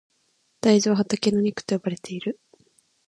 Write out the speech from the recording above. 大豆は畑の肉と呼ばれている。